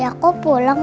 ya aku pulang